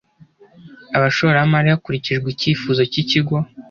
abashoramari hakurikijwe icyifuzo cy Ikigo